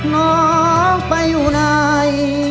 น้องไปอยู่ไหน